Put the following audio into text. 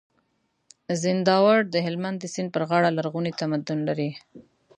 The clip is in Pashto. زينداور د هلمند د سيند پر غاړه لرغونی تمدن لري